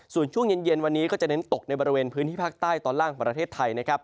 ส่วนช่วงเย็นวันนี้ก็จะเน้นตกในบริเวณพื้นที่ภาคใต้ตอนล่างของประเทศไทยนะครับ